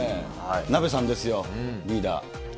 ナベさんですよ、リーダー。